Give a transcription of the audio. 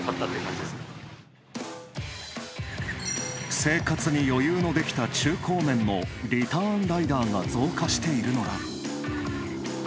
生活に余裕のできた中高年のリターンライダーが増加しているのだ。